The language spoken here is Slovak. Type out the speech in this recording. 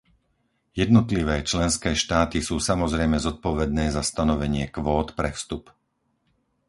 Jednotlivé členské štáty sú samozrejme zodpovedné za stanovenie kvót pre vstup.